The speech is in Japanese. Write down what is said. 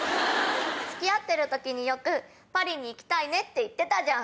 付き合ってる時によく「パリに行きたいね」って言ってたじゃん。